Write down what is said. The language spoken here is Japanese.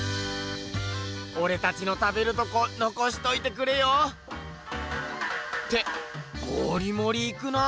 オレたちの食べるとこのこしといてくれよ。ってモリモリいくなぁ！